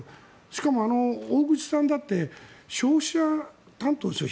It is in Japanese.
しかも、大串さんだって消費者担当ですよ